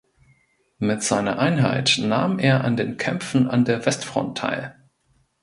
Mit seiner Einheit nahm er an den Kämpfen an der Westfront teil.